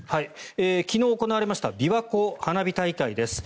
昨日行われましたびわ湖大花火大会です。